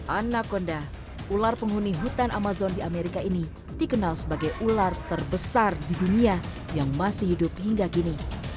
anak konda ular penghuni hutan amazon di amerika ini dikenal sebagai ular terbesar di dunia yang masih hidup hingga kini